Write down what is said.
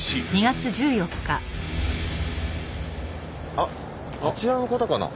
あっあちらの方かな？